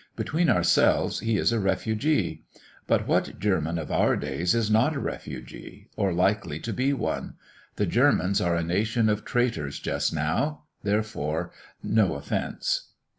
Between ourselves, he is a refugee. But what German, of our days, is not a refugee, or likely to be one? The Germans are a nation of traitors just now; therefore.... No offence.